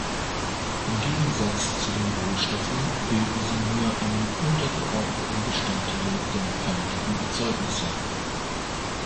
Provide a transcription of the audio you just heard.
Im Gegensatz zu den Rohstoffen bilden sie nur einen untergeordneten Bestandteil der fertigen Erzeugnisse.